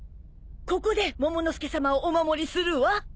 ここでモモの助さまをお守りするわ。